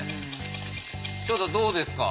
照太どうですか？